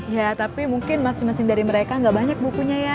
ya tapi mungkin masing masing dari mereka gak banyak bukunya ya